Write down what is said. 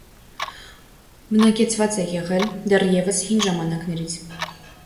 Բնակեցված է եղել դեռևս հին ժամանակներից։